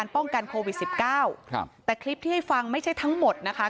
ป้องกันโควิด๑๙แต่คลิปที่ให้ฟังไม่ใช่ทั้งหมดนะคะ